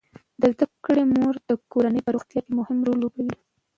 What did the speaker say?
د زده کړې مور د کورنۍ په روغتیا کې مهم رول لوبوي.